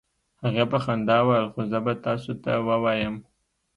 هغې په خندا وویل: "خو زه به تاسو ته ووایم،